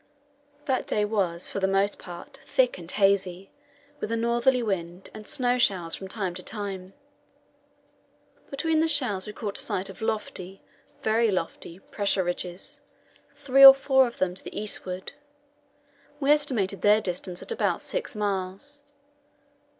That day was for the most part thick and hazy, with a northerly wind, and snow showers from time to time. Between the showers we caught sight of lofty very lofty pressure ridges, three or four of them, to the eastward. We estimated their distance at about six miles.